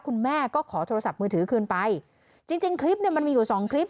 คุณแม่ก็ขอโทรศัพท์มือถือคืนไปจริงจริงคลิปเนี่ยมันมีอยู่สองคลิป